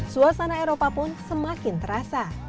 suasana eropa pun semakin terasa